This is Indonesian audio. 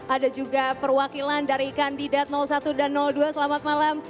ada juga perwakilan dari kandidat satu dan dua selamat malam